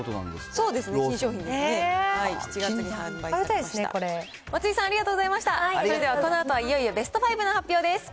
それではこのあとはいよいよベスト５の発表です。